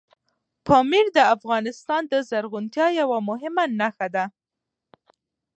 پامیر د افغانستان د زرغونتیا یوه مهمه نښه ده.